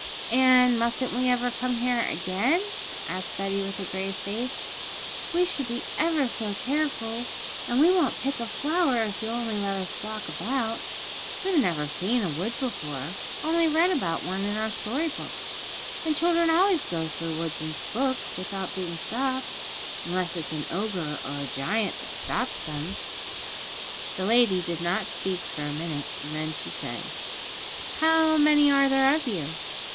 'And mustn't we ever come here again?' asked Betty, with a grave face. 'We should be ever so careful, and we won't pick a flower if you'll only let us walk about. We've never seen a wood before, only read about one in our story books; and children always go through woods in books without being stopped, unless it's an ogre or a giant that stops them.' The lady did not speak for a minute, then she said, 'How many are there of you?'